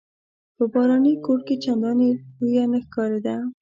په باراني کوټ کې چنداني لویه نه ښکارېده.